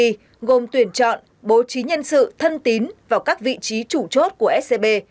hành vi gồm tuyển chọn bố trí nhân sự thân tín vào các vị trí chủ chốt của scb